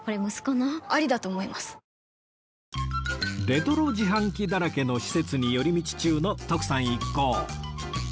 レトロ自販機だらけの施設に寄り道中の徳さん一行